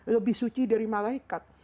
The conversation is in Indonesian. lebih suci dari malaikat